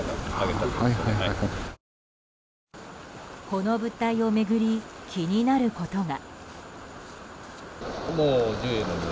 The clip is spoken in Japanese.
この物体を巡り気になることが。